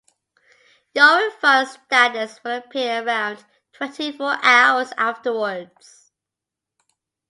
Your refund status will appear around twenty-four hours afterwards.